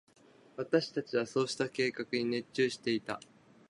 私達はそうした計画に熱中していた。